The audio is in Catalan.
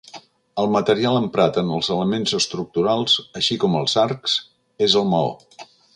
El material emprat en els elements estructurals així com els arcs és el maó.